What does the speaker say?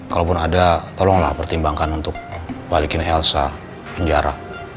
kalaupun ada tolonglah pertimbangkan untuk balikin helsa penjara